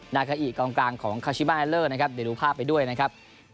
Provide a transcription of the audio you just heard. นาคาอีกกลางกลางของนะครับเดี๋ยวดูภาพไปด้วยนะครับ